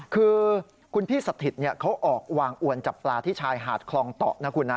คือคุณพี่สถิตเขาออกวางอวนจับปลาที่ชายหาดคลองะคุณนะ